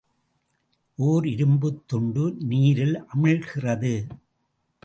ஒர் இரும்புத் துண்டு நீரில் அமிழ்கிறது.